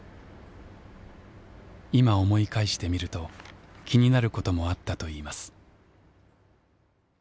今思い返してみると気になることもあったといいます。